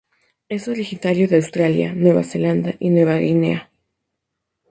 Es originario de Australia, Nueva Zelanda y Nueva Guinea.